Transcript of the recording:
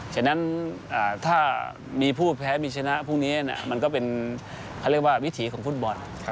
ฉะนั้นถ้ามีผู้แพ้มีชนะพรุ่งนี้น่ะมันก็เป็นหภาพวิถีของพุ่ลบอล